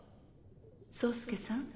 宗介さん